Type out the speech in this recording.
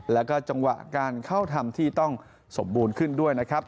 แล้วก็จังหวะการเข้าทำที่ต้องสมบูรณ์ขึ้นด้วยนะครับ